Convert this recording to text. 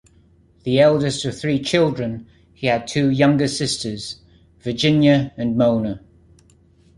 The eldest of three children, he had two younger sisters-Virginia and Mona.